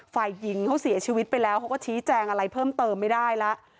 ฝ่ายหญิงเขาเสียชีวิตไปแล้วเขาก็ชี้แจงอะไรเพิ่มเติมไม่ได้แล้ว